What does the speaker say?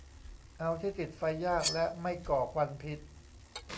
เอาที่ติดไฟยากและไม่ก่อควันพิษ